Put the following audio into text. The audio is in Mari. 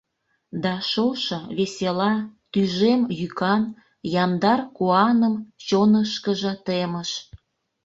Да шошо, весела, тӱжем йӱкан, Яндар куаным чонышкыжо темыш.